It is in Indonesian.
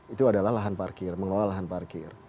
itu adalah lahan parkir mengelola lahan parkir